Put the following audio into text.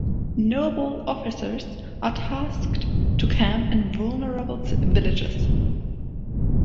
Nobel officers are tasked to camp in vulnerable villages.